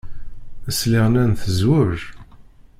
Sliɣ nnan tezweǧ.